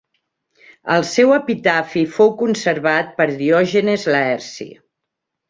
El seu epitafi fou conservat per Diògenes Laerci.